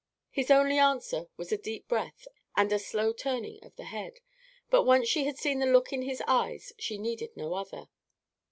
His only answer was a deep breath and a slow turning of the head, but once she had seen the look in his eyes she needed no other.